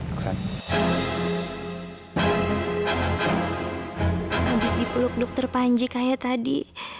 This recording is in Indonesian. habis dipeluk dokter panji kayak tadi